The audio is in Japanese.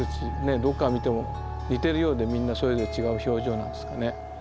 どこから見ても似てるようでみんなそれぞれ違う表情なんですかね。